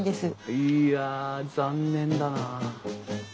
いや残念だなあ。